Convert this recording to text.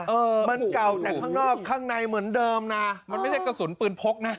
เออมันเก่าแต่ข้างนอกข้างในเหมือนเดิมนะมันไม่ใช่กระสุนปืนพกนะ